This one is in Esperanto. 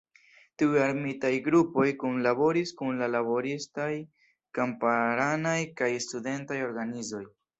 Tiuj armitaj grupoj kunlaboris kun la laboristaj, kamparanaj kaj studentaj organizoj.